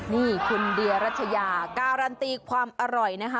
นี่คุณเดียรัชยาการันตีความอร่อยนะคะ